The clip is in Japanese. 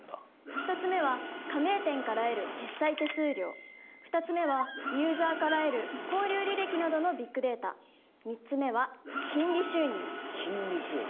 １つ目は加盟店から得る決済手数料２つ目はユーザーから得る購入履歴などのビッグデータ３つ目は金利収入金利収入？